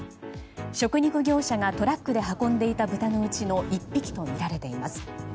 食肉業者がトラックで運んでいたブタのうちの１匹とみられています。